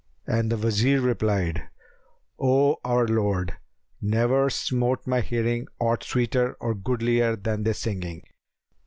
and the Wazir replied, "O our lord, never smote my hearing aught sweeter or goodlier than this singing!